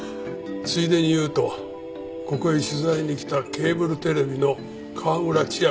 ついでに言うとここへ取材に来たケーブルテレビの川村千秋。